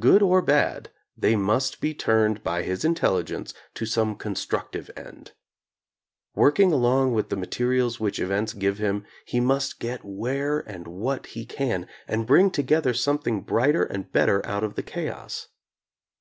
Good or bad, they must be turned by his intelligence to some constructive end. Working along with the materials which events give him, he must get where and what he can, and bring something brighter and better out of the chaos.